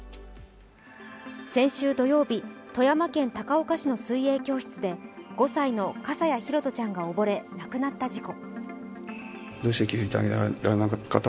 先週土曜日、富山県高岡市の水泳教室で５歳の笠谷拓杜ちゃんがおぼれ亡くなった事故。